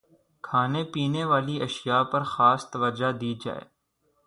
کھانے پینے والی اشیا پرخاص توجہ دی جائے